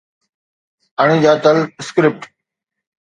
اڻڄاتل اسڪرپٽ